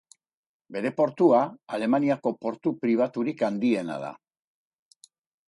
Bere portua, Alemaniako portu pribaturik handiena da.